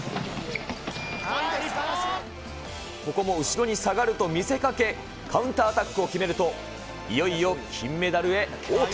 ここも後ろに下がると見せかけ、カウンターアタックを決めると、いよいよ金メダルへ王手。